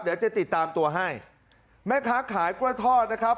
เดี๋ยวจะติดตามตัวให้แม่ค้าขายกล้วยทอดนะครับ